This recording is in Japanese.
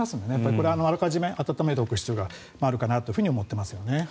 これはあらかじめ暖めておく必要があるかなと思っています。